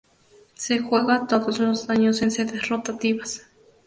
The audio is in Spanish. Se juega todos los años en sedes rotativas.